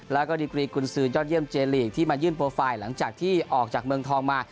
แล้วก็ดีกรีกุญสือยอดเยี่ยมเจลีกที่มายื่นโปรไฟล์หลังจากที่ออกจากเมืองทองมา